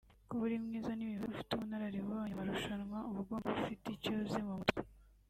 Kuba uri mwiza nibivuze ko ufite ubunararibonye mu marushanwa ubugomba kuba ufite icyo uzi mu mutwe